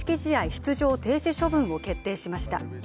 出場停止処分を決定しました。